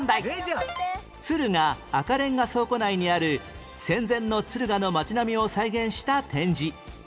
敦賀赤レンガ倉庫内にある戦前の敦賀の街並みを再現した展示